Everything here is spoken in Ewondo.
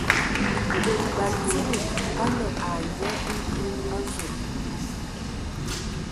Batsidi a ne ai nye ntumba a zud.